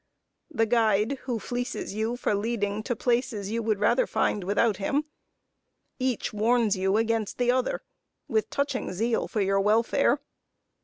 the guide, who fleeces you for leading to places you would rather find without him each warns you against the other, with touching zeal for your welfare.